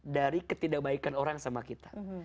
dari ketidakbaikan orang sama kita